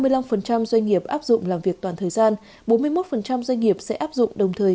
năm mươi năm doanh nghiệp áp dụng làm việc toàn thời gian bốn mươi một doanh nghiệp sẽ áp dụng đồng thời